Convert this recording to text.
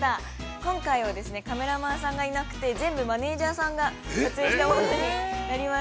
今回はカメラマンさんがいなくて全部マネージャーさんが、撮影したものになります。